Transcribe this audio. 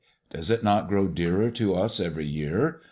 Does it not grow dearer to us every year?